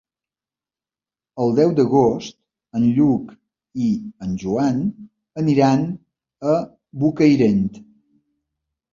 El deu d'agost en Lluc i en Joan aniran a Bocairent.